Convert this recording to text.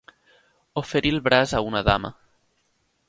Oferir el braç a una dama.